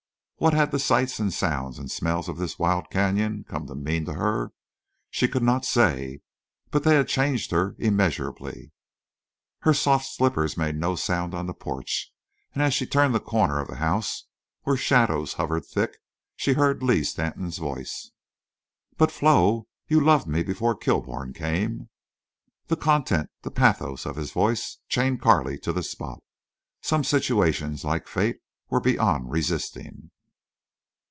What had the sights and sounds and smells of this wild canyon come to mean to her? She could not say. But they had changed her immeasurably. Her soft slippers made no sound on the porch, and as she turned the corner of the house, where shadows hovered thick, she heard Lee Stanton's voice: "But, Flo, you loved me before Kilbourne came." The content, the pathos, of his voice chained Carley to the spot. Some situations, like fate, were beyond resisting.